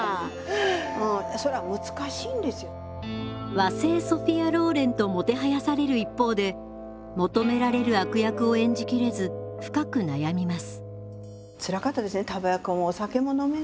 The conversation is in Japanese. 和製ソフィア・ローレンともてはやされる一方で求められる悪役を演じきれず深く悩みます。